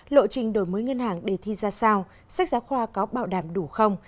lộ trình đổi mới ngân hàng đề thi ra sao sách giáo khoa có bảo đảm đủ không